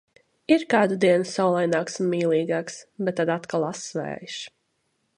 Ir kādu dienu saulaināks un mīlīgāks, bet tad atkal ass vējš.